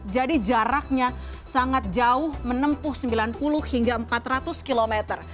jadi jaraknya sangat jauh menempuh sembilan puluh hingga empat ratus km